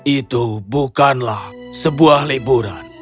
itu bukanlah sebuah liburan